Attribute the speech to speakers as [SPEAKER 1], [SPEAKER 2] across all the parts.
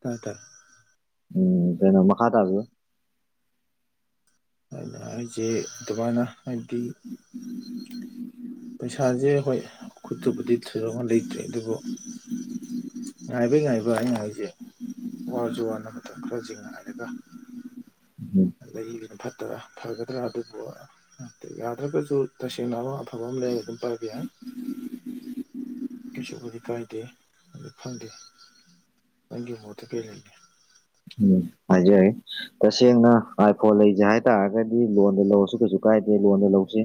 [SPEAKER 1] ꯇ ꯇꯥꯏꯦ [inaudible]
[SPEAKER 2] ꯎꯝ ꯀꯩꯅꯣ ꯃꯈꯥ ꯇꯥꯕꯤꯌꯨ
[SPEAKER 1] ꯑꯗꯨꯅ ꯑꯩꯁꯦ ꯑꯗꯨꯕꯥꯅ ꯍꯥꯏꯕꯗꯤ [inaudible] ꯄꯩꯁꯥꯁꯦ ꯍꯣꯏ ꯈꯨꯠꯇꯕꯨꯗꯤ ꯊꯣꯢꯗꯣꯛꯅ ꯂꯩꯇ꯭ꯔꯦ ꯑꯗꯨꯕꯨ ꯉꯥꯏꯕꯩ ꯉꯥꯏꯕ ꯑꯩꯅ ꯍꯥꯏꯗꯤ ꯋꯥꯔꯁꯨ ꯋꯥꯅ ꯃꯇꯝ ꯈꯔꯁꯦ ꯉꯥꯏꯔꯒ
[SPEAKER 2] ꯎꯝ
[SPEAKER 1] ꯂꯩꯕꯅ ꯐꯠꯇ꯭ꯔꯥ ꯐꯒꯗ꯭ꯔꯥ ꯑꯗꯨꯕꯨ ꯌꯥꯗ꯭ꯔꯒꯁꯨ ꯇꯁꯦꯡ ꯅ ꯑꯃ ꯑꯐꯕ ꯂꯩꯔ ꯑꯗꯨꯝ ꯄꯥꯢꯕ ꯌꯥꯢ ꯀꯩꯁꯨꯕꯨꯗꯤ ꯀꯥꯏꯗꯦ ꯈꯪꯗꯦ ꯃꯪꯒꯤ ꯃꯠꯇ ꯀꯦ ꯂꯩꯦ [inaudible]
[SPEAKER 2] ꯍꯥꯏ [inaudible] ꯇꯁꯦꯡꯅ ꯑꯥꯏꯐꯣꯟ ꯂꯩꯁꯦ ꯍꯥꯏꯇꯥꯔꯒꯗꯤ ꯂꯣꯟꯗ ꯂꯧꯔꯁꯨ ꯀꯩꯁꯨ ꯀꯥꯏꯗꯦ ꯂꯣꯟꯗ ꯂꯧꯁꯤ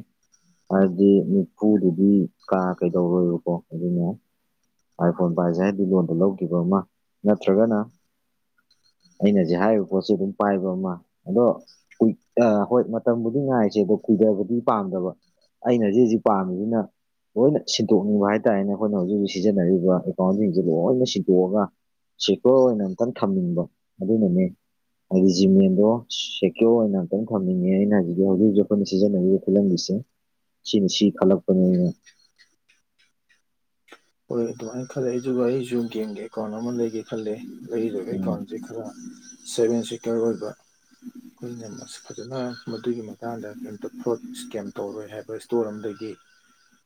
[SPEAKER 2] ꯍꯥꯏꯕꯗꯤ ꯅꯤꯐꯨꯗꯨꯗꯤ ꯀꯥ ꯀꯩꯗꯧꯔꯣꯏꯕꯀꯣ ꯑꯗꯨꯅ ꯑꯥꯏꯐꯣꯟ ꯄꯥꯏꯁꯦ ꯍꯥꯏꯗꯤ ꯂꯣꯟꯗ ꯂꯧꯈꯤꯕ ꯑꯃ ꯅꯠꯇ꯭ꯔꯒꯅ ꯑꯩꯅ ꯍꯧꯖꯤꯛ ꯍꯥꯏꯔꯤꯕ ꯄꯣꯠꯁꯤ ꯑꯗꯨꯝ ꯄꯥꯏꯕ ꯑꯃ ꯑꯗꯣ ꯀꯨꯏ ꯑ ꯍꯣꯏ ꯃꯇꯝꯕꯨꯗꯤ ꯉꯥꯏꯁꯦ ꯑꯗꯣ ꯀꯨꯏꯗꯕꯗꯤ ꯄꯥꯝꯗꯕ ꯑꯩꯅ ꯍꯧꯖꯤꯛ ꯍꯧꯖꯤꯛ ꯄꯥꯝꯃꯤꯁꯤꯅ ꯂꯣꯏꯅ ꯁꯤꯟꯠꯇꯣꯛꯅꯤꯡꯕ ꯍꯥꯏ ꯇꯥꯔꯦꯅꯦ ꯑꯩꯈꯣꯏꯅ ꯍꯧꯖꯤꯛ ꯍꯧꯖꯤꯛ ꯁꯤꯖꯤꯟꯅꯔꯤꯕ ꯑꯦꯀꯥꯎꯟꯁꯤꯡꯁꯤ ꯂꯣꯏꯅ ꯁꯤꯟꯠꯇꯣꯛꯑꯒ ꯁ‌ꯦꯀ꯭ꯌꫭꯔ ꯑꯣꯏꯅ ꯑꯝꯇꯪ ꯊꯝꯅꯤꯡꯕ ꯑꯗꯨꯅꯅꯦ ꯍꯥꯏꯗꯤ ꯖꯤꯃꯦꯟꯗꯣ ꯁꯦꯀ꯭ꯌꯣꯔ ꯑꯣꯏꯅ ꯑꯃꯨꯛꯇꯪ ꯊꯝꯅꯤꯡꯉꯦ ꯑꯩꯅ ꯍꯧꯖꯤꯛ ꯍꯧꯖꯤꯛ ꯑꯩꯈꯣꯏꯅ ꯁꯤꯖꯤꯟꯅꯔꯤ ꯄꯨꯟꯂꯝꯃꯤꯁꯦ ꯁꯤꯅ ꯁꯤ ꯈꯜꯂꯛꯄꯅꯤ ꯑꯩꯅ
[SPEAKER 1] ꯍꯣꯏ ꯑꯗꯨꯃꯥꯏꯅ ꯈꯜꯂ‌ꯦ ꯑꯩꯁꯨ ꯚꯥꯏ ꯑꯩꯖꯨ ꯒꯦꯡꯒꯤ ꯑꯦꯀꯥꯎꯟ ꯑꯃ ꯂꯩꯒꯦ ꯈꯜꯂꯦ ꯂꯩꯗꫭꯏꯕ
[SPEAKER 2] ꯎꯝ
[SPEAKER 1] ꯑꯦꯀꯥꯎꯟꯁꯦ ꯈꯔ ꯁꯦꯚ ꯑ‌ꯦꯟ ꯁ‌ꯦꯀ꯭ꯌꫭꯔ ꯑꯣꯏꯕ ꯑꯩꯈꯣꯏꯅ ꯐꯖꯅ ꯃꯗꯨꯒꯤ ꯃꯇꯥꯡꯗ ꯀꯔꯤꯝꯇ ꯐ꯭ꯔꫭꯠ ꯏꯁꯀꯦꯝ ꯇꯧꯔꯣꯏ ꯍꯥꯏꯕ ꯏꯁꯇꯣꯔ ꯑꯃꯗꯒꯤ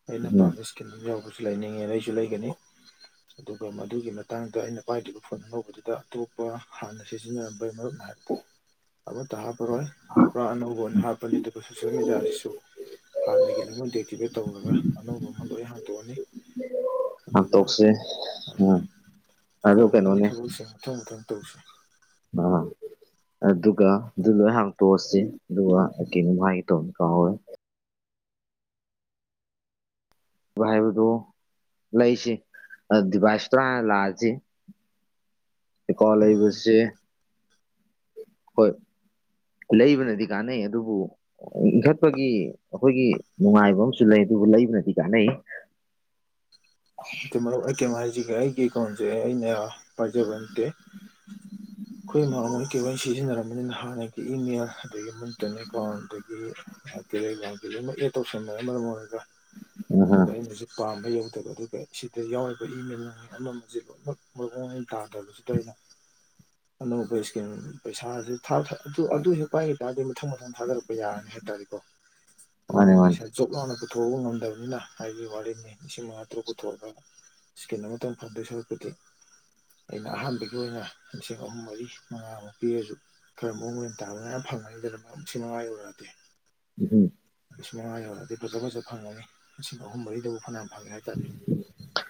[SPEAKER 1] ꯑꯩꯅ
[SPEAKER 2] ꯎꯝ
[SPEAKER 1] ꯄꯥꯝꯕ ꯏꯁꯀꯦꯝ ꯌꯥꯎꯕꯁꯨ ꯂꯩꯅꯤꯡꯉꯦꯅ ꯑꯩ ꯁꯨ ꯂꯩꯒꯅꯤ ꯑꯗꯨꯒ ꯃꯗꯨꯒꯤ ꯃꯇꯥꯡꯗ ꯑꯩꯅ ꯄꯥꯏꯗ꯭ꯔꯤꯕ ꯐꯣꯟ ꯑꯅꯧꯕꯗꯨꯗ ꯑꯇꯣꯞꯄ ꯍꯥꯟꯅ ꯁꯤꯁꯤꯅꯔꯝꯕꯩ ꯃꯔꯞꯅ ꯍꯥꯏꯕꯗ‌ꫭ ꯑꯃꯠꯇ ꯍꯥꯞꯄꯔꯣꯏ ꯄꯨꯔꯥ ꯑꯅꯧꯕ ꯑꯣꯏꯅ ꯍꯥꯞꯄꯅꯤ ꯑꯗꯨꯒ ꯁꯣꯁ‌ꯦꯜ ꯃꯦꯗꯤꯌꯥꯁꯤꯁꯨ ꯍꯥꯟꯅꯒꯤ ꯂꫭꯏꯅꯃꯛ ꯗꯦꯛꯇꯤꯚꯦꯠ ꯇꯧꯔꯒ ꯑꯅꯧꯕ ꯑꯃ ꯂꯣꯏ ꯍꯥꯡꯇꯣꯛꯑꯅꯤ ꯑꯗꯨꯒ
[SPEAKER 2] ꯍꯥꯡꯇꯣꯛꯁꯦ
[SPEAKER 1] ꯎꯝ
[SPEAKER 2] ꯑꯗꯨ
[SPEAKER 1] ꯇꯧꯒꯗꯕꯨ
[SPEAKER 2] ꯀꯩꯅꯣꯅꯦ
[SPEAKER 1] ꯊꯕꯛꯁꯤꯡ ꯃꯊꯪ ꯃꯊꯪ ꯇꯧꯁꯤ
[SPEAKER 2] ꯑ ꯑꯗꯨꯒ ꯑꯗꯨ ꯂꯣꯏ ꯍꯥꯡꯇꯣꯛꯑꯁꯤ ꯑꯗꯨꯒ ꯑꯩ ꯀꯩꯅꫭꯝ ꯍꯥꯏꯒ‌ꯦ ꯇꯧꯅꯤ ꯀꯥꯎꯒꯔ‌ꯦ ꯚꯥꯏꯕꯗꯨꯣ [unintelligible] ꯂꯩꯁꯤ ꯗꯤꯚꯥꯏꯁ ꯇꯨ ꯍꯥꯟꯅ ꯂꯥꯛꯑꯁꯤ ꯑ‌ꯦꯀꯋꯥꯟ
[SPEAKER 1] ꯎꯝ
[SPEAKER 2] ꯂꯩꯕꯁꯤ ꯍꯣꯏ ꯂꯩꯕꯅꯗꯤ ꯀꯥꯟꯅꯩ ꯑꯗꯨꯕꯨ ꯏꯟꯈꯠꯄꯒꯤ ꯑꯩꯈꯣꯏꯒꯤ ꯅꯨꯡꯉꯥꯏꯕ ꯑꯃꯁꯨ ꯂꯩ ꯑꯗꯨꯕꯨ ꯂꯩꯕꯅꯗꯤ ꯀꯥꯟꯅꯩ [inaudible]
[SPEAKER 1] ꯅꯠꯇꯦ ꯃꯔꯨꯞ ꯑꯩ ꯀꯦꯝ ꯍꯥꯏꯁꯤꯒꯦ ꯑꯩꯒꯤꯑ‌ꯦꯀꯥꯎꯋꯟꯁꯦ ꯑꯩꯅ ꯄꯥꯏꯖꯕ ꯅꯠꯇꯦ
[SPEAKER 2] ꯎ [unintelligible]
[SPEAKER 1] ꯑꯩꯈꯣꯏ ꯃꯥꯝꯃ ꯍꫭꯏ ꯀꯩ ꯍꫭꯏꯅ ꯁꯤꯖꯤꯟꯅꯔꯝꯕꯅꯤꯅ ꯍꯥꯟꯅꯒꯤ ꯏꯃꯦꯜ ꯑꯗꯒꯤ ꯃꯨꯟꯇꯟ ꯑꯦꯀꯥꯎꯟ ꯑꯗꯒꯤ ꯑꯥ ꯇ‌ꯦꯂ‌ꯦꯒꯔꯥꯝ ꯀꯩ ꯂꫭꯏꯅꯃꯛ ꯑ‌ꯦꯠ ꯇꯧꯁꯟꯅꯔꯝꯃꯒ [unintelligible]
[SPEAKER 2] ꯑꯍ
[SPEAKER 1] ꯑꯗꯨꯒ ꯑꯩꯅꯁꯨ ꯄꯥꯝꯕꯩ ꯌꯧꯗꯕ ꯑꯗꯨꯒ ꯁꯤꯗ ꯌꯥꯎꯔꯤꯕ ꯏꯃꯦꯜ ꯑꯃ ꯑꯃꯁꯦ ꯂꯣꯏꯅꯃꯛ ꯃꯑꯣꯡ ꯃꯔꯤꯟ ꯇꯥꯗꯕꯁꯤꯗ ꯑꯩꯅ
[SPEAKER 2] [inaudible]
[SPEAKER 1] ꯑꯅꯧꯕ ꯏꯁꯀꯤꯟ ꯄꯩꯁꯥꯥꯁꯦ [unintelligible] ꯑꯗꯨ ꯑꯗꯨꯗꯨ ꯄꯥꯏꯈꯤ ꯇꯥꯔꯗꯤ ꯃꯊꯪ ꯃꯊꯪ ꯊꯥꯗꯔꯛꯄ ꯌꯥꯔꯅꯤ ꯍꯥꯏꯇꯥꯔꯦꯀꯣ
[SPEAKER 2] [inaudible]
[SPEAKER 1] ꯑꯗꯨꯒ
[SPEAKER 2] ꯃꯥꯅꯦ
[SPEAKER 1] ꯄꯩꯁꯥ ꯖꯣꯕ ꯂꯥꯎꯅ ꯄꯨꯊꯣꯛꯕ ꯉꯝꯗꯕꯅꯤꯅ ꯍꯥꯏꯗꯤ ꯋꯥꯔꯤꯅꯤ ꯂꯤꯁꯤꯡ ꯃꯉꯥ ꯇꯔꯨꯛ ꯊ [unintelligible] ꯏꯁꯀꯤꯟ ꯑꯃꯇꯪ ꯐꯪꯗꯣꯏ ꯁꯔꯨꯛꯄꯨꯗꯤ ꯑꯩꯅ ꯑꯍꯥꯟꯕꯒꯤ ꯑꯣꯏꯅ ꯂꯤꯁꯤꯡ ꯑꯍꯨꯝ ꯃꯔꯤ ꯃꯉꯥꯃꯨꯛ ꯄꯤꯔꯁꯨ ꯈꯔ ꯃꯑꯣꯡ ꯃꯔꯤꯟ ꯇꯥꯕ ꯃꯌꯥꯝ ꯐꯪꯉꯅꯤꯗꯅ ꯂꯤꯁꯤꯡ ꯃꯉꯥ ꯌꯧꯔꯛꯑꯗꯤ
[SPEAKER 2] ꯎꯨꯡ [unintelligible]
[SPEAKER 1] ꯂꯤꯁꯤꯡ ꯃꯉꯥ ꯌꯧꯔꯑꯗ ꯐꯖ ꯐꯖ ꯐꯪꯉꯅꯤ ꯂꯤꯁꯤꯡ ꯑꯍꯨꯝ ꯃꯔꯤꯗꯕꯨ ꯐꯅꯌꯥꯝ ꯐꯪꯉꯦ ꯍꯥꯏꯇꯥꯔꯦ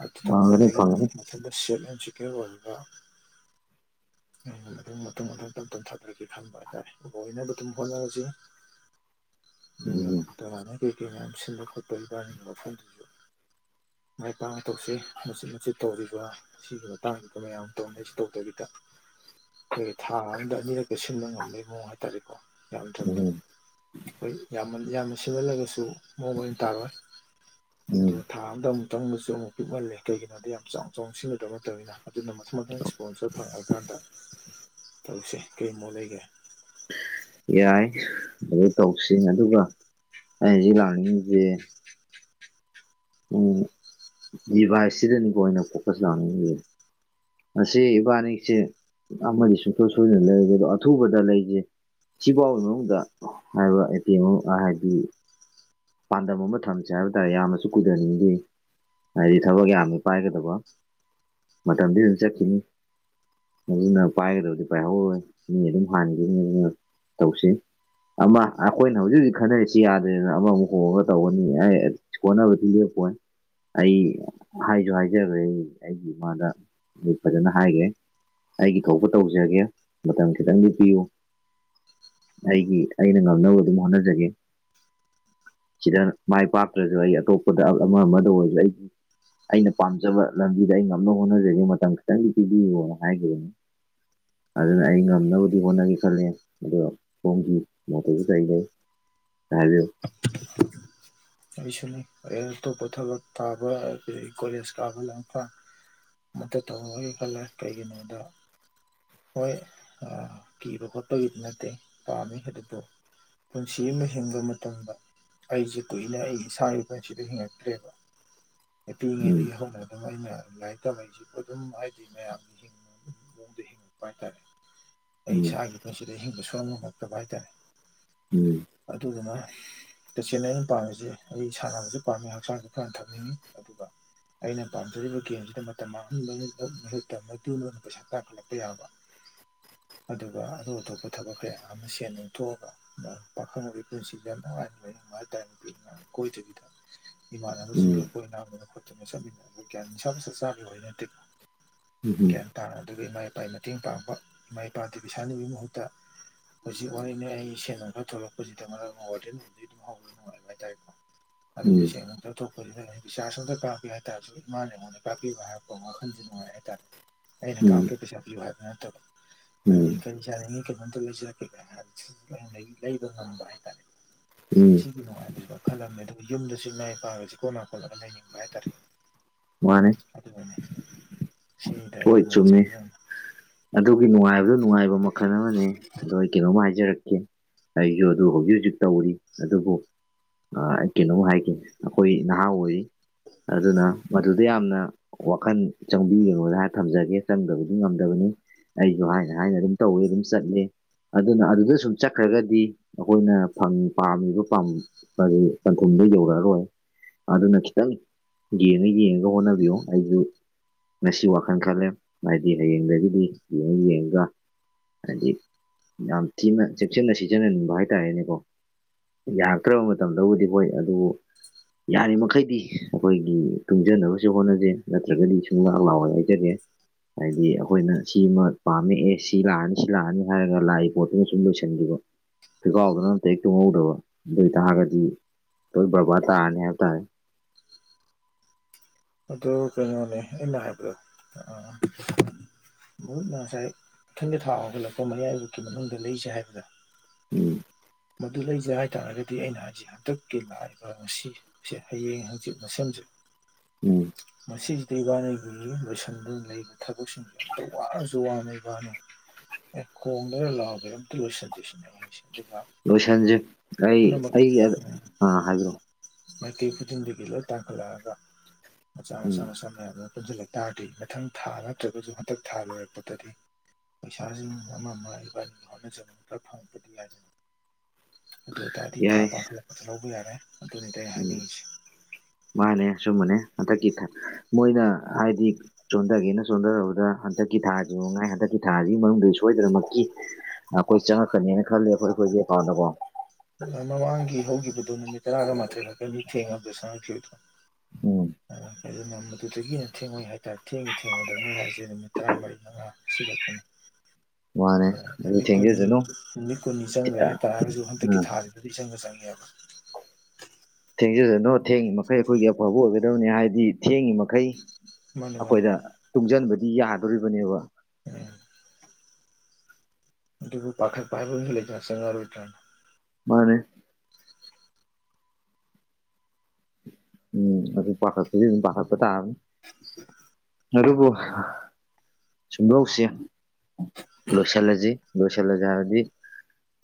[SPEAKER 1] ꯑꯇꯩꯗ ꯃ
[SPEAKER 2] ꯐꯪꯒꯅꯤ ꯐꯪꯒꯅꯤ
[SPEAKER 1] [unintelligible] ꯃꯊꯟꯗ ꯁ‌ꯦꯐ ꯑ‌ꯦꯟ ꯁ‌ꯦꯀ꯭ꯌꫭꫪ ꯑꯣꯏꯕ
[SPEAKER 2] [inaudible]
[SPEAKER 1] ꯑꯗꯨ ꯃꯇꯨꯡ ꯑꯗꯨꯝ ꯇꯞꯅ ꯇꯞꯅ ꯑꯗꯨꯝ ꯊꯥꯗꯔꯛꯀꯦ ꯈꯟꯕ ꯍꯥꯏꯇꯥꯔꯦ ꯑꫭꯏꯅꯕ ꯑꯗꯨꯝ ꯍꯣꯠꯅꯔꯁꯤ ꯑꯗꯣ
[SPEAKER 2] ꯎꯝ
[SPEAKER 1] ꯀꯃꯥꯏꯅ ꯀꯩꯀꯩ ꯃꯌꯥꯝ ꯁꯤꯟꯕ ꯈꯣꯠꯄ ꯏꯕꯥꯅꯤꯒꯤ ꯃꯐꯝꯗꯁꯨ ꯃꯥꯏ ꯄꯥꯛꯅ ꯇꯧꯁꯤ ꯃꯆꯤꯠ ꯃꯆꯤꯠ ꯇꯧꯔꯤꯕ ꯁꯤꯒꯤ ꯃꯇꯥꯡꯁꯤꯗ ꯃꯌꯥꯝ ꯇꯧꯅꯤꯁ‌ꯁꯤ ꯇꯧꯗꯕꯤꯗ ꯑꯩꯈꯣꯏꯗꯤ ꯊꯥ ꯑꯃꯗ ꯑꯅꯤꯔꯛꯛꯀ ꯁꯤꯟꯕ ꯉꯝꯕꯒꯤ ꯃꯑꯣꯡ ꯍꯥꯏꯇꯥꯔꯦꯀꯣ ꯌꯥꯝꯗ꯭ꯔꯕꯗꯥ
[SPEAKER 2] ꯎꯝ
[SPEAKER 1] ꯍꯣꯏ ꯌꯥꯝꯃꯟ ꯌꯥꯝꯅ ꯁꯦꯟꯃꯜꯂꯒꯁꯨ ꯃꯑꯣꯡ ꯃꯔꯤꯟ ꯇꯥꯔꯣꯏ
[SPEAKER 2] ꯎꯝ
[SPEAKER 1] ꯑꯗꯨꯈ ꯊꯥ ꯑꯗꯥ ꯑꯃꯨꯛ ꯇꯪꯕꯁꯨ ꯑꯃꯨꯛ ꯄꯤꯛꯍꯜꯂꯦ ꯀꯩꯒꯤꯅꯣꯗ ꯌꯥꯝ ꯆꯥꯎ ꯆꯥꯎꯅ ꯁꯤꯟꯒꯗꯕ ꯅꯠꯇꯕꯅꯤꯅ ꯑꯗꯨꯅ ꯃꯊꯪ ꯃꯊꯪ ꯏꯁꯄꯣꯟꯁꯔ ꯐꯪꯉꯛꯑꯀꯥꯟꯗ
[SPEAKER 2] [unintelligible]
[SPEAKER 1] ꯇꯧꯁꯦ ꯀꯩ ꯃꫭꯠ ꯂꯩꯒꯦ
[SPEAKER 2] ꯌꯥꯏ ꯑꯗꯨ ꯇꯧꯁꯤ ꯑꯗꯨꯒ ꯑꯩꯍꯧꯖꯤꯛ ꯂꯥꯛꯅꯤꯡꯉꯁꯦ ꯗꯤꯚꯥꯏꯁꯁꯤꯗꯅꯤꯀꯣ ꯑꯩꯅ ꯐꯣꯀꯁ ꯂꯥꯛꯍꯟꯅꯤꯡꯉ‌ꯦꯖ‌ꯦ ꯉꯁꯤ ꯏꯕꯥꯅꯤꯁꯦ ꯑꯃꯗꯤ ꯁꯨꯡꯁꯣꯏ ꯁꯣꯏꯗꯅ ꯂꯩꯒꯦ ꯑꯗꯣ ꯑꯊꯨꯕꯗ ꯂꯩꯁꯦ ꯁꯤꯐꯥꯎꯕ ꯃꯅꯨꯡꯗ ꯍꯥꯏꯕ ꯑꯇꯦꯝ ꯍꯥꯏꯕꯗꯤ ꯄꯥꯟꯗꯝ ꯑꯃ ꯊꯝꯁꯦ ꯍꯥꯏꯕ ꯇꯥꯔꯦ ꯌꯥꯝꯅꯁꯨ ꯀꯨꯏꯊꯅꯤꯡꯗꯦ ꯍꯥꯏꯗꯤ ꯊꯕꯛ ꯌꯥꯝꯃꯦ ꯄꯥꯏꯒꯗꯕ ꯃꯇꯝꯗꯤ ꯑꯗꯨꯝ ꯆꯠꯈꯤꯅꯤ ꯑꯗꯨꯅ ꯄꯥꯏꯒꯗꯕꯗꯤ ꯄꯥꯏꯍꯧꯔꯣꯏ ꯃꯤ ꯑꯗꯨꯝ ꯍꯥꯟꯈꯤꯅꯤ ꯑꯗꯨꯅ ꯇꯧꯁꯤ ꯑꯃ ꯑꯩꯈꯣꯏꯅ ꯍꯧꯖꯤꯛ ꯍꯧꯖꯤꯛ ꯈꯟꯅꯔꯤꯁꯤ ꯌꯥꯗ꯭ꯔꯦꯗꯅ ꯑꯃꯃꯨꯛ ꯍꯣꯡꯉꯒ ꯇꯧꯒꯅꯤ ꯑꯩ ꯍꯣꯠꯅꯕꯗꯤ ꯂꯦꯞꯄꯣꯏ ꯑꯩ ꯍꯥꯏꯁꯨ ꯍꯥꯏꯖꯔꯦ ꯑꯩ ꯑꯩꯒꯤ ꯏꯃꯥꯗ ꯑꯩ ꯐꯖꯅ ꯍꯥꯏꯒꯦ ꯑꯩꯒꯤ ꯊꯣꯛꯄ ꯇꯧꯖꯒꯦ ꯃꯇꯝ ꯈꯤꯇꯪꯗꯤ ꯄꯤꯌꯨ ꯑꯩꯒꯤ ꯑꯩꯅ ꯉꯝꯅꯕ ꯑꯗꯨꯝ ꯍꯣꯠꯅꯖꯒꯦ ꯁꯤꯗ ꯃꯥꯏ ꯄꯥꯛꯇ꯭ꯔꯁꯨ ꯑꯩ ꯑꯇꯣꯞꯄꯗ ꯑꯃ ꯑꯃꯗ ꯑꯣꯏꯕ ꯑꯩꯒꯤ ꯑꯩꯅ ꯄꯥꯝꯖꯕ ꯂꯝꯕꯤꯗ ꯑꯩ ꯉꯝꯅꯕ ꯍꯣꯠꯅꯖꯒꯦ ꯃꯇꯝ ꯈꯤꯇꯪꯗꯤ ꯄꯤꯕꯤꯌꯣꯅ ꯍꯥꯏꯈꯤꯕꯅꯦ ꯑꯗꯨꯅ ꯑꯩ ꯉꯝꯅꯕꯗꯤ ꯍꯣꯠꯅꯒꯦ ꯈꯜꯂꯦ ꯑꯗꯨꯒ ꯀꯝꯀꯤ ꯃꯇꯔꯕꯨꯁꯥꯏꯀꯜ ꯇꯥꯖꯣ
[SPEAKER 1] ꯑꯩꯁꯨꯅꯤ ꯑꯇꯣꯞꯄ ꯊꯕꯛ ꯇꯥꯕ ꯀꯣꯂꯦꯖ ꯀꯥꯕ ꯂ ꯃꯠꯇ ꯇꯧꯒꯤ ꯈꯜꯂꯦ ꯀꯩꯒꯤꯅꯣꯗ ꯍꯣꯏ ꯀꯤꯕ ꯈꯣꯠꯄꯒꯤꯗꯤ ꯅꯠꯇꯦ ꯄꯥꯝꯃꯤ ꯑꯗꯨꯕꯨ ꯄꯨꯟꯁꯤ ꯑꯃ ꯍꯤꯡꯕ ꯃꯇꯝꯗ ꯑꯩꯁꯦ ꯀꯨꯏ ꯑꯩ ꯏꯁ ꯄꯠꯁꯤꯗ ꯍꯤꯡꯉꯛꯇ꯭ꯔꯦꯕ ꯑ
[SPEAKER 2] ꯎꯝ
[SPEAKER 1] ꯄꯤꯉꯩꯗꯒꯤ ꯍꯧꯅ ꯑꯗꯨꯝ ꯑꯩꯅ ꯂꯥꯏꯔꯤꯛ ꯇꯝꯕꯩꯁꯤꯕꯨ ꯑꯗꯨꯝ ꯍꯥꯏꯗꯤ ꯃꯌꯥꯝ ꯑꯗꯨꯃꯥꯏ ꯍꯥꯏꯇꯔꯦ ꯑꯩ
[SPEAKER 2] ꯎꯝ
[SPEAKER 1] ꯏꯁꯥꯒꯤ ꯄꯨꯟꯁꯤꯗ ꯏꯁꯤꯡꯤꯡꯕ ꯁꯣꯛꯕꯝꯃꯛꯇꯕ ꯍꯥꯏꯇꯥꯔꯦ
[SPEAKER 2] ꯎꯝ
[SPEAKER 1] ꯑꯗꯨꯗꯨꯅ ꯇꯁꯦꯡꯅ ꯑꯩꯅ ꯄꯥꯝꯃꯤꯁꯤ ꯑꯩ ꯁꯥꯟꯅꯕꯁꯨ ꯄꯥꯝꯃꯦ ꯍꯛꯆꯥꯡꯁꯨ ꯐꯅ ꯊꯝꯅꯤꯡꯉꯤ ꯑꯗꯨꯒ ꯑꯩꯅ ꯄꯥꯝꯖꯔꯤꯕ ꯒꯦꯝꯁꯤꯗ ꯃꯇꯝ ꯃꯥꯡꯍꯟꯕꯅ ꯃꯍꯨꯠꯇ ꯑꯣꯏꯅ ꯄꯩꯁꯥ ꯀꯥꯈꯠꯂꯛꯄ ꯌꯥꯕ
[SPEAKER 2] [unintelligible]
[SPEAKER 1] ꯑꯗꯨꯒ ꯑꯇꯣꯞ ꯑꯇꯣꯞꯄ ꯊꯕꯛ ꯀꯌꯥ ꯑꯃ ꯁꯦꯟ ꯊꯣꯛꯑꯒ ꯄꯥꯈꯪ ꯑꯣꯏꯕꯩ ꯄꯨꯟꯁꯤꯗ ꯅꯨꯡꯉꯥꯏꯅ ꯂꯩꯕ ꯍꯥꯢꯇꯔꯦ ꯀꯣꯏꯗꯕꯤꯗ
[SPEAKER 2] ꯎꯝ
[SPEAKER 1] ꯏꯃꯥꯟꯅꯕꯁꯤꯡꯒ ꯑꯩꯈꯣꯏ ꯑꯅꯥꯕꯅ ꯈꯣ ꯑꯗꯨꯅ ꯆꯠꯃꯤꯟꯅꯕꯌꯥꯅꯤꯁꯥ ꯃꯁꯥ ꯆꯥꯕꯤꯕ ꯅꯠꯇꯦꯀꯣ
[SPEAKER 2] ꯎꯝ ꯍꯨꯝ
[SPEAKER 1] ꯥ ꯑꯗꯨꯒ ꯏꯃꯥ ꯏꯄꯥꯒꯤ ꯃꯇꯦꯡ ꯄꯥꯡꯕ ꯏꯃꯥ ꯏꯄꯥꯗꯨꯒꯤ ꯄꯩꯁꯥ ꯅꯤꯕꯒꯤ ꯃꯍꯨꯠꯇ ꯍꯧꯖꯤꯛ ꯋꯥꯔꯤꯅꯦ ꯑꯩ ꯁꯦꯟ ꯈꯔ ꯊꯣꯛꯂꯛꯄꯁꯤꯗ ꯃꯔ ꯋꯥꯔꯇꯦꯜꯗꯤ ꯑꯗꯨꯝ ꯍꯧꯔꯦ ꯑꯗꯨꯨꯅꯦ ꯁꯦꯡꯅ ꯂꯧꯠꯊꯣꯛꯄꯁꯤꯗ ꯑꯩ ꯕꯤꯆꯥꯔꯖ ꯑꯝꯇ ꯀꯥꯞꯄꯤꯌ ꯍꯥꯏꯇꯥꯔꯁꯨ ꯏꯃꯅ ꯑꯩꯉꯣꯟꯗ ꯀꯥꯞꯄꯤꯕ ꯍꯥꯏꯛꯄ ꯋꯥꯈꯟꯁꯨ ꯅꯨꯡꯉꯥꯏ ꯍꯥꯏꯇꯥꯥꯔꯦ ꯑꯩꯅ
[SPEAKER 2] ꯎꯝ ꯎꯝ
[SPEAKER 1] ꯀꯥꯞꯀꯦ ꯄꯩꯁꯥ ꯄꯤꯌꯨ ꯍꯥꯏꯕ ꯅꯠꯇꯕ
[SPEAKER 2] ꯎꯝ
[SPEAKER 1] ꯑꯗꯨꯗꯒꯤ ꯀꯔꯤ ꯄꯩꯁꯥꯅꯤꯡ ꯀꯩꯅꯣꯝꯇ ꯂꯩꯁꯤꯜꯔꯛꯀꯦ ꯀꯗꯒꯤ ꯂꯩꯕ ꯉꯝꯕ ꯍꯥꯏꯇꯥꯔꯦ
[SPEAKER 2] ꯎꯝ
[SPEAKER 1] ꯑꯩꯒꯤ ꯅꯨꯡꯉꯥꯏꯕꯁꯤꯗꯣ ꯈꯜꯂꯝꯃꯦ ꯑꯗꯨꯒ ꯌꯨꯝꯗꯁꯨ ꯃꯥꯏ ꯄꯥꯛꯔꯁꯤ ꯀꯣꯂ ꯈꯣꯠꯂꯒ ꯂꯩꯅꯤꯡꯕ
[SPEAKER 2] ꯃꯥꯅꯦ
[SPEAKER 1] ꯍꯥꯏꯇꯥꯔꯦꯅꯦ ꯁꯤ ꯇ ꯑꯩ ꯀ
[SPEAKER 2] ꯍꯣꯏ
[SPEAKER 1] ꯃꯦ
[SPEAKER 2] ꯆꯨꯝꯃꯤ ꯑꯗꯨꯒꯤ ꯅꯨꯡꯉꯥꯏꯕꯗꯨ ꯅꯨꯡꯉꯥꯏꯕ ꯃꯈꯜ ꯑꯃꯅꯦ ꯑꯗꯣ ꯑꯩ ꯀꯩꯅꯣꯝꯃ ꯍꯥꯏꯖꯔꯛꯀꯦ ꯑꯩꯁꯨ ꯑꯗꯨ ꯍꯧꯖꯤꯛ ꯍꯧꯖꯤꯛ ꯇꯧꯔꯤ ꯑꯗꯨꯕꯨ ꯑꯩ ꯀꯩꯅꯣꯝ ꯍꯥꯏꯒꯦ ꯑꯩꯈꯣꯏ ꯅꯍꯥ ꯑꯣꯏꯔꯤ ꯑꯗꯨꯅ ꯃꯗꯨꯗ ꯌꯥꯝꯅ ꯋꯥꯈꯜ ꯆꯪꯕꯤꯔꯨꯅꯣꯅ ꯍꯥꯏ ꯊꯝꯖꯒꯦ ꯆꯪꯗꯕꯗꯤ ꯉꯝꯗꯕꯅꯤ ꯑꯩꯁꯨ ꯍꯥꯏꯅ ꯍꯥꯏꯅ ꯑꯗꯨꯝ ꯇꯧꯏ ꯑꯗꯨꯝ ꯆꯠꯂꯤ ꯑꯗꯨꯅ ꯑꯗꯨꯗ ꯁꯨꯝ ꯆꯠꯈ꯭ꯔꯒꯗꯤ ꯑꯩꯈꯣꯏꯅ ꯄꯥꯝꯃꯤꯕ ꯄꯟꯊꯨꯡꯗꯨ ꯌꯧꯔꯛꯑꯔꯣꯏ ꯑꯗꯨꯅ ꯈꯤꯇꯪ ꯌꯦꯡ ꯌꯦꯡꯒ ꯍꯣꯠꯅꯕꯤꯌꯣ ꯑꯩꯁꯨ ꯉꯁꯤ ꯋꯥꯈꯜ ꯈꯜꯂꯦ ꯍꯥꯏꯗꯤ ꯍꯌꯦꯡꯗꯒꯤꯗꯤ ꯌꯦꯡꯉ ꯌꯦꯡꯉꯒ ꯍꯥꯏꯗꯤ ꯌꯥꯝ ꯊꯤꯅ ꯆꯦꯛꯁꯤꯟꯅ ꯁꯤꯖꯤꯟꯅꯅꯤꯡꯕ ꯍꯥꯏꯇꯥꯔꯦꯅꯦꯀꯣ ꯌꯥꯔꯛꯇ꯭ꯔꯕ ꯃꯇꯝꯗꯕꯨꯗꯤ ꯍꯣꯏ ꯑꯗꯨꯕꯨ ꯌꯥꯔꯤꯃꯩꯗꯤ ꯑꯩꯈꯣꯏꯒꯤ ꯇꯨꯡꯖꯅꯕꯁꯨ ꯍꯣꯠꯅꯖꯦ ꯅꯠꯇ꯭ꯔꯒꯗꯤ ꯁꯨꯡꯂꯥꯛ ꯂꯥꯎꯑꯣꯏ ꯍꯥꯏꯖꯒꯦ ꯍꯥꯏꯗꯤ ꯑꯩꯈꯣꯏꯅ ꯁꯤ ꯑꯃ ꯄꯥꯝꯃꯛꯑ ꯁꯤ ꯂꯥꯛꯑꯅꯤ ꯁꯤ ꯂꯥꯛꯑꯅꯤ ꯍꯥꯏꯔꯒ ꯂꯥꯛꯏ ꯄꯣꯠꯇꯨꯅ ꯁꯨꯝ ꯂꯣꯏꯁꯤꯟꯕ ꯊꯀꯥꯎꯗꯅ ꯇꯣꯡꯍꯧꯗꯕ ꯑꯗꯨꯗꯩ ꯇꯥꯔꯒꯗꯤ ꯂꯣꯏ ꯕꯔꯕꯥꯔ ꯇꯥꯔꯅꯤ ꯍꯥꯏꯕ ꯇꯥꯔꯦ
[SPEAKER 1] ꯑꯗꯨ ꯀꯩꯅꯣꯅꯦ ꯑꯩꯅ ꯍꯥꯏꯕꯗꯣ ꯑꯥ ꯃꯍꯨꯠꯅ ꯉꯁꯥꯏ ꯏꯊꯣꯏꯗ ꯊꯥꯎ ꯍꯧꯒꯠꯂꯛꯄ ꯃꯌꯥꯏꯐꯛꯀꯤ ꯃꯅꯨꯡꯗ ꯂꯩꯁꯦ ꯍꯥꯏꯕꯗ
[SPEAKER 2] ꯎꯝ
[SPEAKER 1] ꯑꯗꯨ ꯂꯩꯖꯩ ꯍꯥꯏꯇꯥꯔꯒꯗꯤ ꯑꯩꯅ ꯍꯥꯏꯁꯛ ꯍꯟꯗꯛꯀꯤ ꯂꯥꯛꯏꯕ ꯉꯁꯤꯁꯦ ꯍꯌꯦꯡ ꯍꯪꯆꯤꯠꯅ ꯁꯦꯝꯖꯩ
[SPEAKER 2] ꯎꯝ
[SPEAKER 1] ꯃꯁꯤꯁꯤꯗ ꯏꯕꯥꯅꯤꯒꯤ ꯂꯣꯏꯁꯟꯗꯅ ꯂꯩꯕ ꯊꯕꯛꯁꯤꯡꯁꯦ ꯇ ꯋꯥꯔꯁꯨꯋꯥ ꯃꯕꯅꯤ ꯑꯦ ꯀꯣꯃꯦ ꯂꯕꯗꯨꯁꯦꯁꯁ ꯑꯗꯨ
[SPEAKER 2] ꯂꯣꯏꯁꯟꯁꯤ ꯑꯩ ꯑꯩ ꯑꯥ ꯍꯥꯏꯕꯤ꯭ꯔꯛꯑꯣ
[SPEAKER 1] ꯃꯥꯏ ꯀ ꯈꯨꯊꯤꯟꯗꯤꯂ ꯇꯈꯂꯑꯒꯥ ꯃꯆꯥ
[SPEAKER 2] ꯎꯝ
[SPEAKER 1] ꯃꯆꯥ ꯃꯆꯥ ꯃꯌꯥꯝ ꯑꯃ ꯄꯨꯟꯁꯤꯜꯂꯛ ꯇꯥꯔꯗꯤ ꯃꯊꯪ ꯊꯥ ꯅꯠꯇ꯭ꯔꯒꯁꯨ ꯍꯟꯊꯛ ꯊꯥ ꯂꯣꯏꯔꯛꯄꯗꯗꯤ ꯄꯩꯁꯥꯁꯤ ꯑꯃ ꯑꯃ ꯑꯩꯈꯣꯏ ꯍꯣꯠꯅꯖꯕꯅꯤ ꯈꯔ ꯐꯪꯉꯛꯄꯗꯤ ꯍꯥꯏꯗꯅ ꯑꯗꯨ ꯑꯣꯏꯇꯥꯔꯗꯤ ꯊꯥ
[SPEAKER 2] ꯌꯥꯏ
[SPEAKER 1] ꯄꯥꯡꯈꯠꯂꯛꯄꯁꯨ ꯂꯧꯕ ꯌꯥꯔꯦ ꯑꯗꯨꯅꯤꯗꯤ ꯑꯩ
[SPEAKER 2] ꯎꯝ
[SPEAKER 1] ꯍꯥꯏꯅꯤꯡꯉꯁꯤ
[SPEAKER 2] ꯃꯥꯅꯦ ꯁꯨꯝꯕꯅꯦ ꯍꯟꯊꯛꯀꯤ ꯃꯣꯏꯅ ꯍꯥꯏꯗꯤ ꯆꯣꯟꯊꯒꯦꯅ ꯆꯣꯟꯊꯔꯕꯗ ꯍꯟꯗꯛꯀꯤ ꯊꯥꯁꯤ ꯉꯥꯏ ꯍꯟꯗꯛꯀꯤ ꯊꯥꯁꯤꯒꯤ ꯃꯅꯨꯡꯗ ꯁꯣꯏꯗꯅꯃꯛꯀꯤ ꯑꯩꯈꯣꯏ ꯆꯪꯉꯛꯀꯅꯤꯅ ꯈꯜꯂꯦ ꯑꯩꯈꯣꯏ ꯑꯩꯈꯣꯏꯒꯤꯀꯥꯎꯗ ꯀꯣ
[SPEAKER 1] ꯃꯃꯥꯡꯒꯤ ꯍꯧꯈꯤꯕꯗꯨ ꯅꯨꯃꯤꯠ ꯇꯔꯥꯒ ꯃꯥꯊꯣꯏꯔꯀꯅꯤꯊꯦꯡꯅꯕꯗ ꯆꯪꯉꯛꯈꯤꯕꯗꯣ
[SPEAKER 2] ꯎꯝ
[SPEAKER 1] ꯑꯗꯨꯅ ꯃꯗꯨꯗꯒꯤꯅ ꯊꯦꯡꯉꯣꯏ ꯍꯥꯏꯇꯥꯔꯦ ꯊꯦꯡꯉꯦ ꯊꯦꯡꯕꯗ ꯃꯣꯏ ꯍꯥꯏꯁꯦ ꯅꯨꯃꯤꯠ ꯇꯔꯥꯃꯔꯤ ꯃꯉꯥ ꯁꯤꯒꯛꯀꯅꯤ
[SPEAKER 2] [unintelligible] ꯑꯗꯨ
[SPEAKER 1] ꯃꯤ
[SPEAKER 2] ꯊꯦꯡꯖꯁꯅꯨ
[SPEAKER 1] ꯀꯨꯃꯤ ꯀꯨꯅꯤ ꯆꯪ ꯂꯩ ꯍꯥꯏ ꯇꯔꯟ
[SPEAKER 2] ꯎꯝ
[SPEAKER 1] ꯑꯗꯨꯗꯤ ꯆꯪ ꯆꯪꯦ ꯍꯥꯏ
[SPEAKER 2] ꯊꯦꯡꯖꯗꯅꯣ ꯊꯦꯡꯉꯤ ꯃꯈꯩ ꯑꯩꯈꯣꯏꯒꯤ ꯑꯐꯕ ꯑꯣꯏꯒꯗꯕꯅꯤ ꯍꯥꯏꯕꯗꯤ ꯊꯦꯡꯉꯤ ꯃꯈꯩ
[SPEAKER 1] ꯃꯥꯅꯤ ꯃꯥꯅꯤ
[SPEAKER 2] ꯑꯩꯈꯣꯏꯗ ꯇꯨꯡꯁꯤꯟꯕꯗꯤ ꯌꯥꯗꯣꯔꯤꯕꯅꯦꯕ
[SPEAKER 1] ꯎꯝ ꯕꯨ ꯄꯈꯦ ꯄꯥꯏꯕ ꯆꯔ꯭ꯔ
[SPEAKER 2] ꯃꯥꯅꯦꯦ ꯎꯝ ꯄꯊꯔ ꯑꯗꯨ ꯄꯊꯔꯄ ꯇꯥꯔꯅꯤ
[SPEAKER 1] ꯍ
[SPEAKER 2] ꯍꯔꯕꯨꯣ ꯁꯨꯝꯗꯧꯁꯦ ꯂꯣꯏꯁꯤꯜꯂꯁꯤ ꯂꯣꯏꯁꯤꯜꯂꯁꯤ ꯍꯥꯏꯔꯗꯤ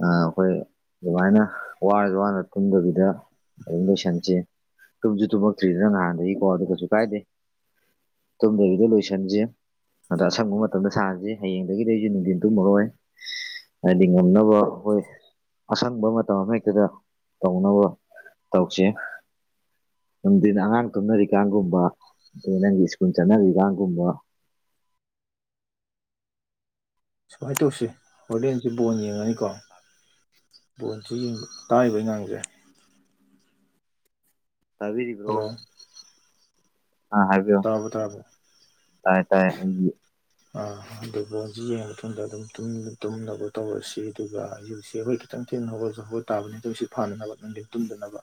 [SPEAKER 2] ꯑꯩꯈꯣꯏ ꯑꯗꯨꯃꯥꯏꯅ ꯋꯥꯔꯁꯨ ꯋꯥꯅ ꯇꯨꯝꯗꯕꯤꯗ ꯑꯗꯨꯝ ꯂꯣꯏꯁꯟꯁꯤ ꯇꯨꯝꯁꯨ ꯇꯨꯝꯃꯛꯇ꯭ꯔꯤꯗꯅ ꯅꯍꯥꯟꯗꯒꯤꯀꯣ ꯑꯗꯨꯒ ꯀꯩꯁꯨ ꯀꯥꯏꯗꯦ ꯇꯨꯝꯗꯕꯤꯗꯣ ꯂꯣꯏꯁꯟꯁꯦ ꯑꯗꯣ ꯑꯁꯪꯕ ꯃꯇꯝꯗ ꯁꯥꯁꯤꯦ ꯍꯌꯦꯡꯗꯒꯤꯗꯤ ꯑꯩꯁꯨ ꯅꯨꯡꯊꯤꯟ ꯇꯨꯝꯃꯔꯣꯏ ꯍꯥꯏꯗꯤ ꯉꯝꯅꯕ ꯍꯈꯣꯏ ꯑꯁꯪꯕ ꯃꯇꯝ ꯑꯃ ꯍꯦꯛꯇꯗ ꯇꯧꯅꯕ ꯇꯧꯁꯤ ꯅꯨꯡꯊꯅ ꯑꯉꯥꯡ ꯇꯨꯝꯅꯔꯤꯀꯥꯟꯒꯨꯝꯕ ꯑꯗꯩ ꯅꯪꯒꯤ ꯁ꯭ꯀꯨꯜ ꯆꯠꯅꯔꯤꯀꯒꯨꯝꯕ
[SPEAKER 1] ꯁꯨꯃꯥꯏꯅ ꯇꯧꯁꯤ ꯍꯣꯔꯦꯟꯁꯦ ꯕꯣꯟ ꯌꯦꯡꯉꯅꯤꯀꯣ ꯕꯣꯣꯟꯁꯨ ꯌꯦꯕ ꯀꯥꯛꯏꯕ ꯑꯩ ꯉꯥꯡꯁꯦ
[SPEAKER 2] ꯇꯕꯤꯔꯈ꯭ꯔꯣ
[SPEAKER 1] ꯍꯜꯂꯣ
[SPEAKER 2] ꯑ ꯍꯥꯏꯕꯤꯌꯣ
[SPEAKER 1] ꯇꯥꯔꯕꯣ ꯇꯥꯔꯕꯣ
[SPEAKER 2] ꯇꯥꯏꯌꯦ ꯇꯥꯏꯌꯦꯕꯤꯨ
[SPEAKER 1] ꯑꯗꯨꯕꯨ ꯍꯧꯖꯤ ꯌꯦꯡꯉ ꯃꯇꯨꯡꯗ ꯑꯗꯨꯝ ꯇꯨꯝꯅꯕ ꯇꯧꯔꯁꯤ ꯑꯗꯨꯒ ꯍꯧꯖꯤ ꯍꯧꯖꯤ ꯑꯩꯈꯣꯏ ꯈꯤꯇꯪꯊꯦꯡꯅꯒ ꯒꯜ ꯇꯥꯕꯅꯤ ꯑꯗꯨ ꯍꯧ ꯁꯤ ꯐꯥꯅꯅꯕ ꯅꯨꯡꯊꯤꯟ ꯇꯨꯝꯗꯅꯕ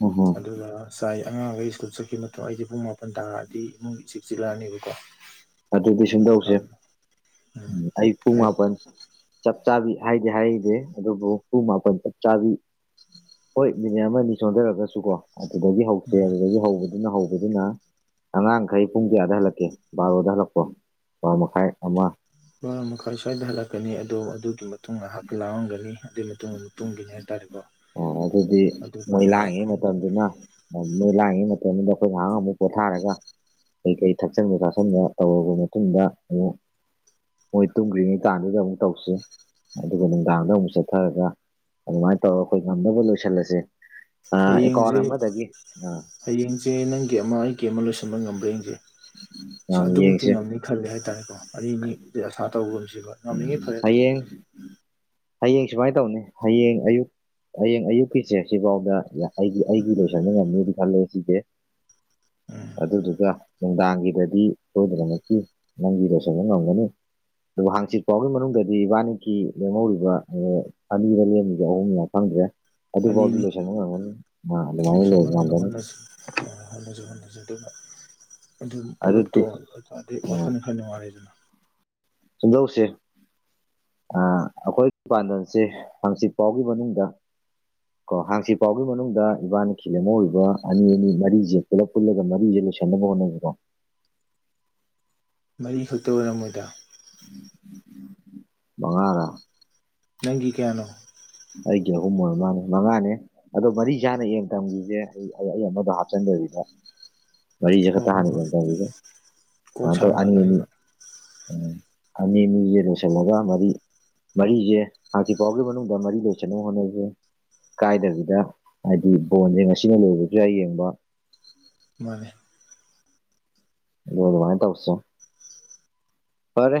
[SPEAKER 2] ꯑꯣ ꯍꯣ
[SPEAKER 1] ꯑꯗꯨꯒ ꯆꯥꯏ ꯑꯉꯥꯡꯈꯩ ꯁ꯭ꯀꯨꯜ ꯆꯠꯈꯤꯕ ꯃꯇꯨꯡ ꯑꯩꯁꯦ ꯄꯨꯡ ꯃꯥꯄꯟ ꯇꯥꯔꯛꯑꯗꯤ ꯏꯃꯨꯡꯒꯤ ꯏꯆꯛ ꯆꯤꯜꯂꯛꯑꯅꯦꯕꯀꯣ
[SPEAKER 2] ꯑꯗꯨꯗꯤ ꯁꯤꯟꯗꯧꯁꯦ
[SPEAKER 1] ꯎꯝ
[SPEAKER 2] ꯑꯌꯨꯛ ꯄꯨꯡ
[SPEAKER 1] ꯍꯥꯏꯌꯨ
[SPEAKER 2] ꯃꯥꯄꯜ ꯆꯞ ꯆꯥꯕꯤ ꯍꯥꯏꯗꯤ ꯍꯥꯏꯔꯛꯏꯗꯤꯦ ꯑꯗꯨꯕꯨ ꯄꯨꯡ ꯃꯥꯄꯟ ꯆꯞ ꯆꯥꯕꯤ ꯍꯣꯏ ꯃꯤꯅꯤꯠ ꯑꯃꯅꯤ ꯑꯅꯤ ꯁꯣꯟꯊꯔꯒꯁꯨ ꯀꯣ ꯑꯗꯨꯗꯒꯤ ꯍꯧꯁꯦ
[SPEAKER 1] ꯎꯝ
[SPEAKER 2] ꯑꯗꯨꯗꯒꯤ ꯍꯧꯕꯗꯨꯅ ꯍꯧꯕꯗꯨꯅ ꯑꯉꯥꯡꯈꯩ ꯄꯨꯡ ꯀꯌꯥꯗ ꯍꯜꯂꯛꯀꯦ ꯕꯥꯔꯣ ꯜꯂꯛꯄꯣ ꯄꯔ ꯃꯈꯥꯏ ꯑꯃ
[SPEAKER 1] ꯕꯔ ꯃꯈꯥ ꯁ꯭ꯋꯥꯏꯗ ꯍꯜꯂꯛꯀꯅꯤ ꯑꯗꯣ ꯑꯗꯨꯒꯤ ꯃꯇꯨꯡ ꯉꯍꯥꯛ ꯂꯥꯎꯔꯝꯒꯅꯤ ꯑꯗꯨꯒꯤ ꯃꯇꯨꯡ ꯑꯃꯨꯛ ꯇꯨꯡꯒꯤꯅꯤ ꯍꯥꯏꯇꯥꯔꯦꯀꯣ
[SPEAKER 2] ꯑ ꯑꯗꯨꯗꯤ ꯃꯣꯏ
[SPEAKER 1] ꯑꯗꯨꯀꯥꯟꯗ
[SPEAKER 2] ꯂꯥꯡꯉꯩ ꯃꯇꯝꯗꯨꯅ ꯃꯣꯏ ꯂꯥꯡꯏꯉꯩ ꯃꯇꯝꯗꯨꯗ ꯑꯩꯈꯣꯏ ꯉꯥꯏꯍꯥꯛ ꯑꯃꯨꯛ ꯄꯣꯊꯥꯔꯒ ꯀꯩꯀꯩ ꯊꯛꯆꯟꯕ ꯆꯥꯁꯤꯟꯕ ꯇꯧꯔꯕ ꯃꯇꯨꯡꯗ ꯑꯃꯨꯛ ꯃꯣꯏ ꯇꯨꯝꯗ꯭ꯔꯤꯉꯩ ꯀꯥꯟꯗꯨꯗ ꯑꯃꯨꯛ ꯇꯧꯁꯤ ꯑꯗꯨꯒ ꯅꯨꯡꯗꯥꯡꯗ ꯑꯃꯨꯛ ꯆꯠꯊꯔꯒ ꯑꯗꯨꯃꯥꯏꯅ ꯇꯧꯔꯒ ꯑꯩꯈꯣꯏ ꯉꯝꯅꯕ ꯂꯣꯏꯁꯤꯜꯂꯁꯦ ꯑꯦꯀꯥꯎꯟ
[SPEAKER 1] ꯍꯌꯦꯡꯁꯦ
[SPEAKER 2] ꯑꯃꯗꯒꯤ
[SPEAKER 1] ꯍꯌꯦꯡꯁꯦ ꯅꯪꯒꯤ ꯑꯃ ꯑꯩꯒꯤ ꯑꯃ ꯂꯣꯏꯁꯤꯟꯕ ꯉꯝꯕ꯭ꯔꯥ ꯌꯦꯡꯁꯦ
[SPEAKER 2] ꯎꯝ
[SPEAKER 1] ꯁ ꯑꯗꯨꯃꯛꯇꯤ ꯉꯝꯅꯤ ꯈꯜꯂꯦ ꯍꯥꯏꯇꯥꯔꯦꯀꯣ ꯑꯅꯤ ꯑꯁꯥ ꯇꯧꯕꯒꯨꯝꯁꯤꯕ ꯉꯝꯂꯤꯉꯩ ꯈꯜꯂꯦ ꯑꯗꯨꯕꯨ
[SPEAKER 2] ꯍꯌꯦꯡ ꯍꯌꯦꯡ ꯁꯨꯃꯥꯏꯅ ꯇꯧꯅꯤ ꯍꯌꯦꯡ ꯑꯌꯨꯛ ꯍꯌꯦꯡ ꯑꯌꯨꯛꯀꯤꯁꯦ ꯁꯤꯐꯥꯎꯗ ꯑꯩꯒꯤ ꯑꯩꯒꯤ ꯂꯣꯏꯁꯟꯟꯅ ꯉꯝꯃꯦꯗꯤ ꯈꯜꯂꯦ ꯁꯤꯁꯦ
[SPEAKER 1] [unintelligible]
[SPEAKER 2] ꯑꯗꯨꯗꯨꯒ ꯅꯨꯡꯗꯥꯡꯒꯤꯗꯗꯤ ꯁꯣꯏꯗꯅꯃꯛꯀꯤ ꯅꯪꯒꯤ ꯂꯣꯏꯁꯤꯟꯕ ꯉꯝꯒꯅꯤ ꯑꯗꯨꯕꯨ ꯍꯥꯡꯆꯤꯠ ꯐꯥꯎꯒꯤ ꯃꯅꯨꯡꯗꯗꯤ ꯏꯕꯥꯅꯤꯀꯤ ꯂꯦꯝꯍꯧꯔꯤꯕ ꯑꯅꯤꯔ ꯂꯒ ꯑꯣꯡ ꯌꯥꯎ ꯐꯪꯗ꯭ꯔꯦ ꯑꯗꯨꯐꯥꯎꯗꯤ
[SPEAKER 1] ꯑꯅꯤꯅꯤ
[SPEAKER 2] ꯂꯣꯏꯁꯟꯕ ꯉꯝꯒꯅꯤ ꯑ ꯑꯗꯨꯃꯥꯏꯅ ꯉꯝꯒꯅꯤ
[SPEAKER 1] ꯍꯣꯠꯅꯖꯩ ꯍꯣꯅꯖꯩ ꯑꯗꯨꯒ ꯑꯗꯨ ꯄꯨꯂ
[SPEAKER 2] ꯑꯗꯨꯗꯤ
[SPEAKER 1] ꯋꯥꯈꯅ ꯊ ꯅꯨꯡꯉꯥꯏꯗꯨꯅ
[SPEAKER 2] ꯗꯧꯁꯦ ꯑꯩꯈꯣꯏ ꯄꯥꯟꯗꯝꯜꯁꯦ ꯍꯪꯆꯤꯠ ꯐꯥꯎꯒꯤ ꯃꯅꯨꯡꯗ ꯀ ꯍꯥꯡꯁꯤ ꯄꯥꯎꯒꯤ ꯃꯅꯨꯡꯗ ꯏꯕꯥꯅꯤ ꯈꯤꯜ ꯑꯃ ꯑꯣꯏꯕ ꯑꯅꯤ ꯑꯅꯤ ꯃꯔꯤꯁꯦ ꯄꯨꯂꯞ ꯄꯨꯜꯂꯒ ꯃꯔꯤꯁꯦ [unintelligible]
[SPEAKER 1] ꯃꯔꯤꯈꯛꯇ ꯑꯣꯏꯔꯝꯃꯣꯏꯗ
[SPEAKER 2] ꯃꯉꯥꯗ
[SPEAKER 1] ꯅꯪꯒꯤ ꯀꯌꯥꯅꯣ
[SPEAKER 2] ꯑꯩꯒꯤꯍꯨꯝ ꯃꯣꯏ ꯃꯥꯅꯦ ꯃꯉꯥꯅꯦ ꯑꯗꯣ ꯃꯔꯤ ꯆꯥꯅ ꯌꯦꯡ ꯊꯝꯈꯤꯁꯦ ꯑꯩ ꯑꯩ ꯑꯃꯗꯣ ꯍꯥꯞꯆꯤꯟꯗꯕꯤꯗ ꯃꯔꯤꯖꯈ
[SPEAKER 1] ꯍꯣꯏ
[SPEAKER 2] ꯇ ꯍꯥꯟ
[SPEAKER 1] ꯍꯣꯏ ꯍꯣꯏ
[SPEAKER 2] ꯀ
[SPEAKER 1] ꯀꯣꯛ
[SPEAKER 2] ꯃꯇ
[SPEAKER 1] ꯁꯥꯕ
[SPEAKER 2] ꯑꯅꯤ ꯑꯅꯤ
[SPEAKER 1] ꯂꯥꯛꯀꯅꯤꯕ
[SPEAKER 2] ꯎꯝ ꯑꯅꯤ ꯃꯤꯁꯦ ꯂꯣꯏꯁꯤꯜꯂꯒ ꯃꯔꯤ ꯃꯔꯤꯁꯦ ꯍꯥꯟꯇꯤ ꯄꯥꯎꯒꯤ ꯃꯅꯨꯡꯗ ꯃꯔꯤ ꯂꯣꯏꯁꯟꯅ ꯍꯣꯠꯅꯁ ꯀꯥꯏꯗꯕꯤꯗ ꯍꯥꯏꯗꯤ ꯕꯣꯟꯁꯦ ꯉꯁꯤꯅ ꯂꯣꯏꯔꯁꯨ ꯌꯥ ꯌꯦꯡꯕ
[SPEAKER 1] ꯃꯥꯅꯦ
[SPEAKER 2] ꯌ ꯋꯥꯉ ꯇꯧꯁ ꯐꯔꯦ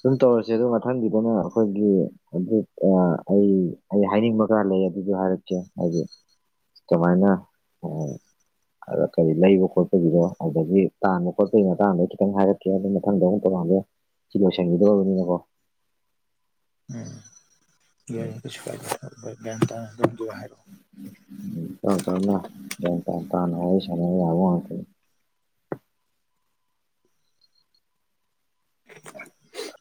[SPEAKER 2] ꯑꯗꯨꯝ ꯇꯧꯔꯁꯦ ꯑꯗꯨ ꯃꯊꯪꯒꯤꯗꯅ ꯑꯩꯈꯣꯏꯒꯤ ꯑꯗꯨ ꯑꯩ ꯑꯩ ꯍꯥꯏꯅꯤꯡꯕ ꯈꯔ ꯂꯩ ꯑꯗꯨꯁꯨ ꯍꯥꯏꯔꯛ ꯍꯥꯏꯗꯤ ꯑꯗꯨꯃꯥꯏꯅ ꯎ ꯑꯗ ꯀꯔꯤ ꯂꯩꯕ ꯈꯣꯠꯄꯒꯤꯗꯣ ꯑꯗꯒꯤ ꯇꯥꯟꯕ ꯈꯣꯠꯄꯒꯤ ꯃꯇꯥꯡꯗ ꯈꯤꯇꯪ ꯍꯥꯏꯔꯛꯀꯦ ꯑꯗꯨ ꯃꯊꯪꯗ ꯑꯃꯨꯛ ꯇꯧꯔꯛꯑꯒꯦ ꯁꯤ ꯂꯣꯏꯁꯟꯕꯤꯗ ꯑꯣꯏꯕꯅꯤꯅꯀꯣ
[SPEAKER 1] ꯌꯥꯁꯨ ꯀꯥꯏꯗ ꯇ ꯍꯥꯏꯔꯣ
[SPEAKER 2] ꯎ ꯇ ꯇ ꯇ ꯇꯈ
[SPEAKER 1] [unintelligible]